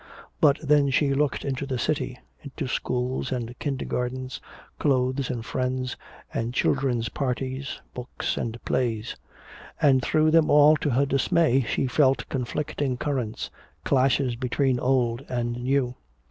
But then she looked into the city into schools and kindergartens, clothes and friends and children's parties, books and plays. And through them all to her dismay she felt conflicting currents, clashes between old and new.